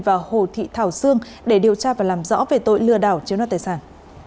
và hồ thị thảo sương để điều tra và làm rõ về tội lừa đảo chiếm đoạt tài sản